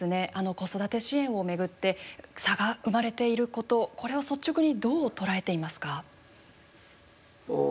子育て支援を巡って差が生まれていることこれを率直にどう捉えていますか。